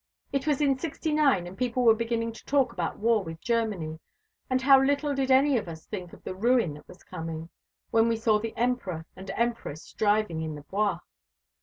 It was in sixty nine, and people were beginning to talk about war with Germany. How little did any of us think of the ruin that was coming, when we saw the Emperor and Empress driving in the Bois!"